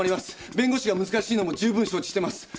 弁護士が難しいのも十分承知してます。